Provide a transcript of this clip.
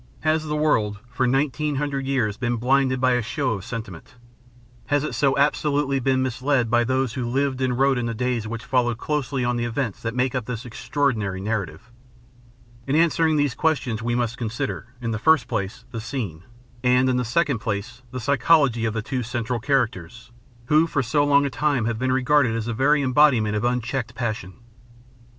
Has the world for nineteen hundred years been blinded by a show of sentiment? Has it so absolutely been misled by those who lived and wrote in the days which followed closely on the events that make up this extraordinary narrative? In answering these questions we must consider, in the first place, the scene, and, in the second place, the psychology of the two central characters who for so long a time have been regarded as the very embodiment of unchecked passion.